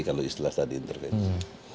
setelah tadi intervensi